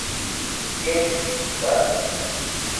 ইয়েশ, sir.